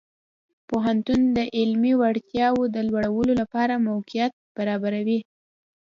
پوهنتون د علمي وړتیاو د لوړولو لپاره موقعیت برابروي.